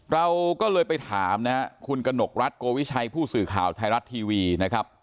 เราก็เลยไปถามนะครับคุณกนกรัฐโกวิชัยผู้สื่อข่าวไทยรัฐทีวีนะครับ